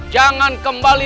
jangan kembali lagi